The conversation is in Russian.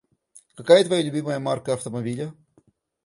Какая твоя любимая марка автомобиля?